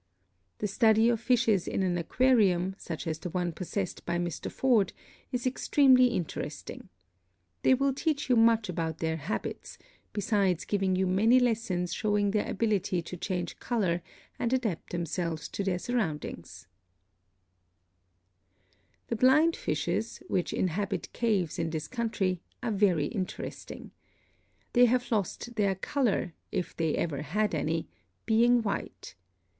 The study of fishes in an aquarium, such as the one possessed by Mr. Ford, is extremely interesting. They will teach you much about their habits, besides giving you many lessons showing their ability to change color and adapt themselves to their surroundings. [Illustration: A MOUNTAIN LAKE. CHICAGO: A. W. MUMFORD PUBLISHER.] The Blind Fishes, which inhabit caves in this country, are very interesting. They have lost their color, if they ever had any, being white.